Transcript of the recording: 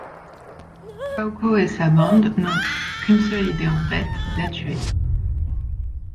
Kauko et sa bande n'ont qu'une seule idée en tête, la tuer.